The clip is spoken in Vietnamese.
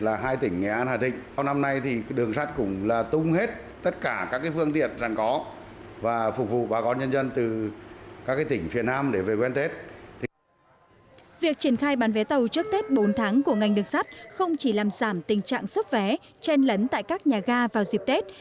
việc triển khai bán vé tàu trước tết bốn tháng của ngành đường sắt không chỉ làm giảm tình trạng xuất vé chen lấn tại các nhà ga vào dịp tết